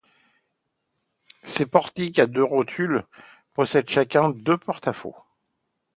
Ces portiques à deux rotules possèdent chacun deux porte-à-faux.